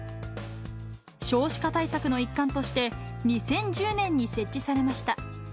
少子化対策の一環として、２０１０年に設置されました。